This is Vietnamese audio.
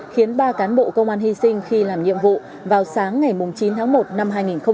khiến ba cán bộ công an hy sinh khi làm nhiệm vụ vào sáng ngày chín tháng một năm hai nghìn hai mươi